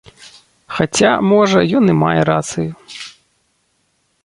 Хаця, можа, ён і мае рацыю.